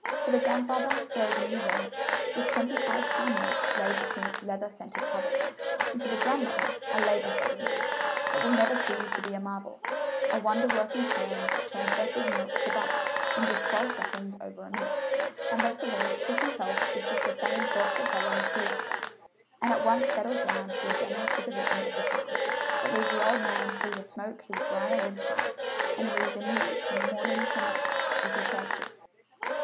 For the grandfather there is a new wallet with twenty five pound notes laid between its leather scented covers, and for the grandmother a labor saving gift that will never cease to be a marvel a wonder working churn that turns Bess's milk to butter in just twelve seconds over a minute. And best of all, Chris himself is just the same thoughtful fellow he left them, and at once settles down to a general supervision of the farm, that leaves the old man free to smoke his brier wood pipe and read the news from morning till night, if he cares to.